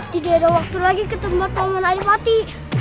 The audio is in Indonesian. tidak ada waktu lagi kita membuat paman dan pati